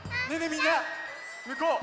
みんなむこう。